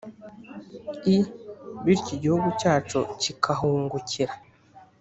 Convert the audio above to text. i bityo igihugu cyacu kikahungukira.